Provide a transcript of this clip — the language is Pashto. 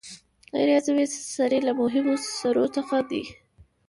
غیر عضوي سرې له مهمو سرو څخه دي.